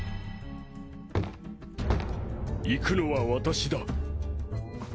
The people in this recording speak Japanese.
行くのは私だ。